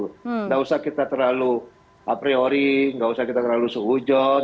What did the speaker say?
tidak usah kita terlalu a priori nggak usah kita terlalu suhujot